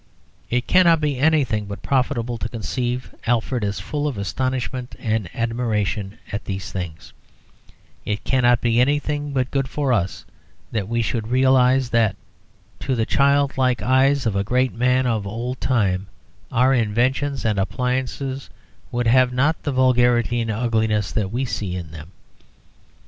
It cannot be anything but profitable to conceive Alfred as full of astonishment and admiration at these things; it cannot be anything but good for us that we should realise that to the childlike eyes of a great man of old time our inventions and appliances have not the vulgarity and ugliness that we see in them.